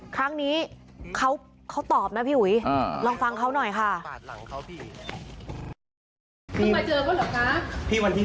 ครั้งนี้เขาตอบนะพี่อุ๋ยลองฟังเขาหน่อยค่ะ